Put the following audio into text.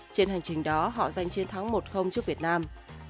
trên hành trình đó họ giành chiến thắng một trước việt nam